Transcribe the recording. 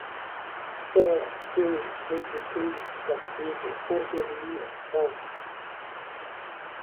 Só sei que fiquei de castigo por dormir tarde.